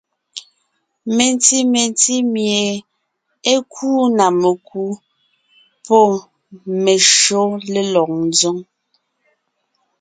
Menti mentí mie é kúu na mekú pɔ́ meshÿó lélɔg ńzoŋ.